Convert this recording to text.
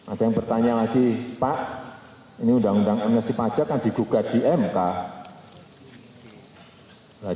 ada yang bertanya lagi pak ini udah undang undang amnesti pajak kan di guga dm kak